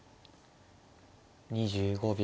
２５秒。